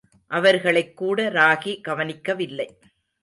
அவர்களைக் கூட ராகி கவனிக்கவில்லை.